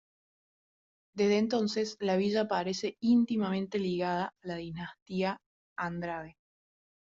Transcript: Desde entonces la villa aparece íntimamente ligada a la dinastía Andrade.